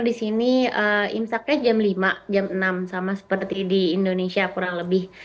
di sini imsaknya jam lima jam enam sama seperti di indonesia kurang lebih